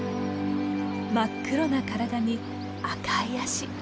真っ黒な体に赤い足。